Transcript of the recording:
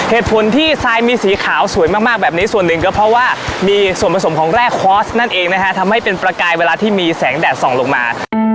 เหตุผลที่ทรายมีสีขาวสวยมากแบบนี้ส่วนหนึ่งก็เพราะว่ามีส่วนผสมของแร่คอร์สนั่นเองนะฮะทำให้เป็นประกายเวลาที่มีแสงแดดส่องลงมา